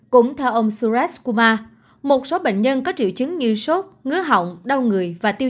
cũng theo ông suresh kumar một số bệnh nhân có triệu chứng như sốt ngứa hỏng đau người và tiêu